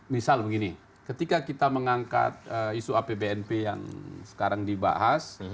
misal begini ketika kita mengangkat isu apbnp yang sekarang dibahas